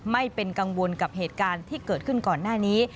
ไม่เป็นกังวลกับเหตุการณ์ที่เกิดขึ้นก่อนหน้านี้